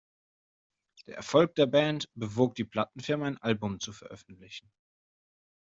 Der Erfolg der Band bewog die Plattenfirma ein Album zu veröffentlichen.